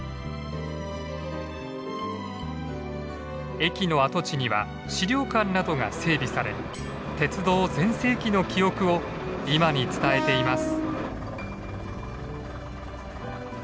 駅の跡地には資料館などが整備され鉄道全盛期の記憶を今に伝えています。